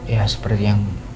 ya seperti yang